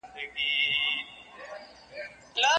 مُلا به وي منبر به وي ږغ د آذان به نه وي